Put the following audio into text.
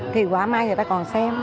thì quả mai người ta còn xem